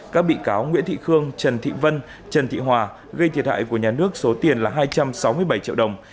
các bị cáo nguyễn thị khương trần thị vân trần thị hòa gây thiệt hại của nhà nước số tiền là hai trăm sáu mươi bảy triệu đồng